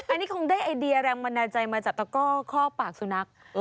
อันนี้คงได้ไอเดียแรงบันดาลใจมาจากตะก้อข้อปากสุนัข